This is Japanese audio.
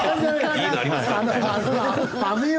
「いいのありますか？」。